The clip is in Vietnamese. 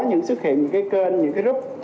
những xuất hiện những kênh những group